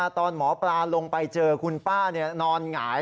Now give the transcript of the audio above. ตอนหมอปลาลงไปเจอคุณป้านอนหงาย